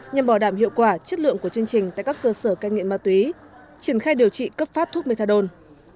nhằm bảo đảm hiệu quả chất lượng của chương trình tại các cơ sở cai nghiện ma túy triển khai điều trị cấp phát thuốc methadone